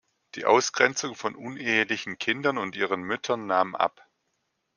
Die Ausgrenzung von unehelichen Kindern und ihren Müttern nahm ab.